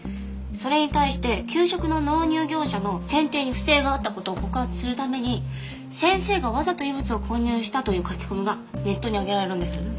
それに対して給食の納入業者の選定に不正があった事を告発するために先生がわざと異物を混入したという書き込みがネットに上げられるんです。